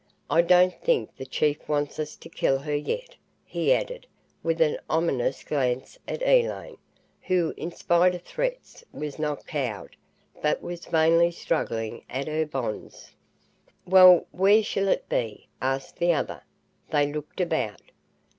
"I don't think the chief wants us to kill her yet," he added, with an ominous glance at Elaine, who in spite of threats was not cowed, but was vainly struggling at her bonds. "Well, where shall it be?" asked another. They looked about.